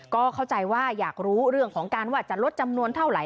ก็เข้าใจว่าอยากรู้เรื่องของการว่าจะลดจำนวนเท่าไหร